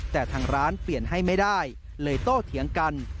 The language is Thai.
แต่ทางร้านเปลี่ยนให้ไม่ได้เลยโต้เถียงกัน